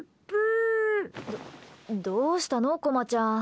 どうしたの、こまちゃん。